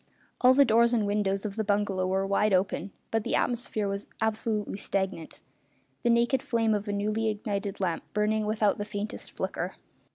All the doors and windows of the bungalow were wide open, but the atmosphere was absolutely stagnant, the naked flame of a newly ignited lamp burning without the faintest flicker.